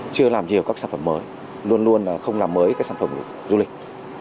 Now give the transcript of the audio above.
chưa làm nhiều các sản phẩm mới luôn luôn không làm mới các sản phẩm du lịch